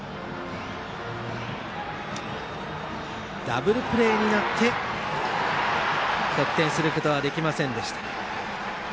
ダブルプレーになって得点することができませんでした。